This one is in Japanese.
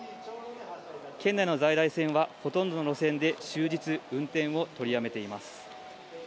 県内の在来線は、ほとんどの路線で終日運転を取りやめています。